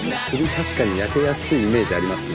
確かに焼けやすいイメージありますね。